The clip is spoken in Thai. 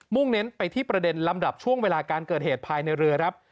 เน้นไปที่ประเด็นลำดับช่วงเวลาการเกิดเหตุภายในเรือครับ